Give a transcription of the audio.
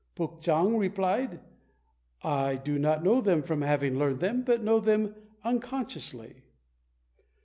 Puk chang replied, "I do not know them from having learned them, but know them unconsciously."